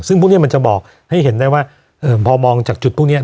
ซึ่งพวกนี้มันจะบอกให้เห็นได้ว่าพอมองจากจุดพวกนี้